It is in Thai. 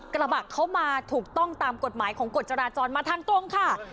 กระบะเขามาถูกต้องตามกฎหมายของกฎจราจรมาทางตรงค่ะ